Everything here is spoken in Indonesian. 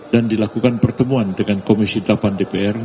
dan dilakukan pertemuan dengan komisi delapan dpr